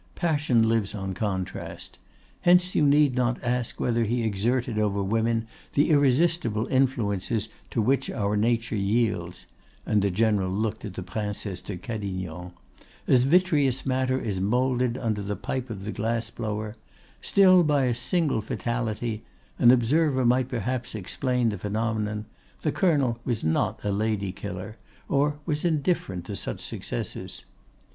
Passion lives on contrast. Hence you need not ask whether he exerted over women the irresistible influences to which our nature yields"—and the general looked at the Princesse de Cadignan—"as vitreous matter is moulded under the pipe of the glass blower; still, by a singular fatality—an observer might perhaps explain the phenomenon—the Colonel was not a lady killer, or was indifferent to such successes.